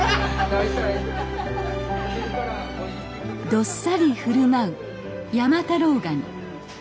どっさり振る舞う山太郎ガニ。